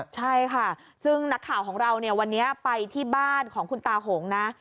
ใช่ค่ะซึ่งนักข่าวของเราเนี่ยวันนี้ไปที่บ้านของคุณตาหงนะ